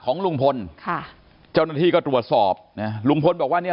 ของลุงพลค่ะเจ้าหน้าที่ก็ตรวจสอบนะลุงพลบอกว่าเนี่ย